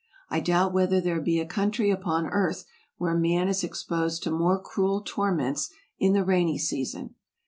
I doubt whether there be a country upon earth where man is exposed to more cruel torments in the rainy season.